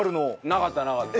なかったなかった。